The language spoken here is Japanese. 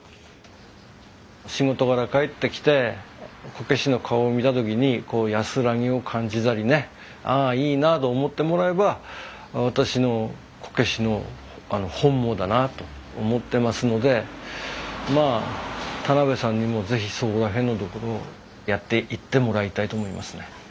仕事から帰ってきてこけしの顔を見た時に安らぎを感じたりね「ああいいなあ」と思ってもらえば私のこけしの本望だなと思ってますのでまあ田邉さんにも是非そこら辺のところをやっていってもらいたいと思いますね。